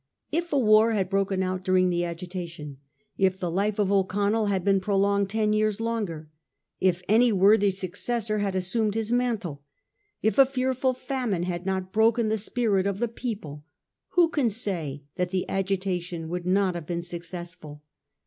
If a war bad broken out during the agitation — if the life of O'Connell had been pro longed ten years longer — if any worthy successor had assumed his mantle — if a fearful famine had not broken the spirit of the people — who can say that the agitation would not have been successful?